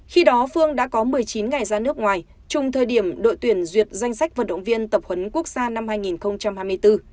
khi đó phương đã có một mươi chín ngày ra nước ngoài chung thời điểm đội tuyển duyệt danh sách vận động viên tập huấn quốc gia năm hai nghìn hai mươi bốn